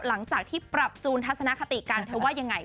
หลังจากที่ปรับจูนทัศนคติกันเธอว่ายังไง